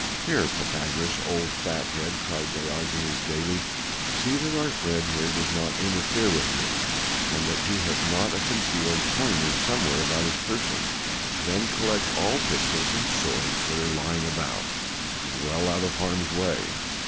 "Here, Pythagoras, old fat head," cried Diogenes gaily, "see that our friend here does not interfere with me: and that he hath not a concealed poniard somewhere about his person, then collect all pistols and swords that are lying about, well out of harm's way.